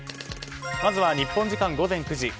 まずは日本時間午前９時。